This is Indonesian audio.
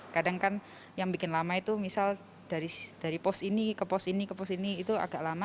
kadang kan yang bikin lama itu misal dari pos ini ke pos ini ke pos ini itu agak lama